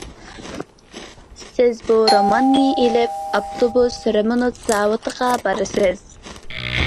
سىز بۇ روماننى ئېلىپ ئاپتوبۇس رېمونت زاۋۇتىغا بارىسىز.